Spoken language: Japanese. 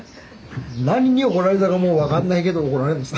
何に怒られたかも分かんないけど怒られんのさ。